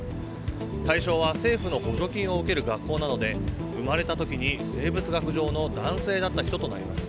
対象は、政府の補助金を受ける学校などで生まれた時に生物学上の男性だった人となります。